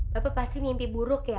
bapak pasti mimpi buruk ya